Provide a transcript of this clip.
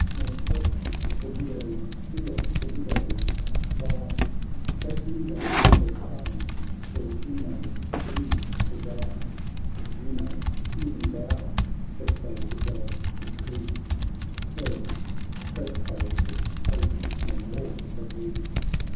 Nor check the widow's tear, the widow's sigh. For e'en her son, her Zeno's doom to die ; Zeno, e'en thou ! for so the Gods decree, A parents' threshold opes no more for thee!